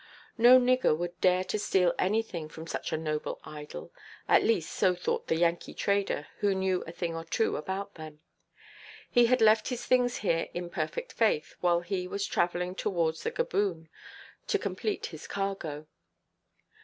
No nigger would dare to steal anything from such a noble idol. At least so thought the Yankee trader who knew a thing or two about them. He had left his things here in perfect faith, while he was travelling towards the Gaboon, to complete his cargo.